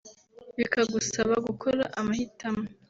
bikagusaba gukora amahitamo